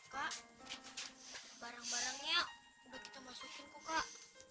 kak barang barangnya udah kita masukin kok kak